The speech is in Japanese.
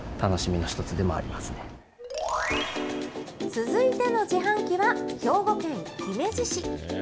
続いての自販機は、兵庫県姫路市。